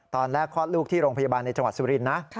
ตอนแรกคลอดลูกที่โรงพยาบาลในจังหวัดสุรินทร์นะ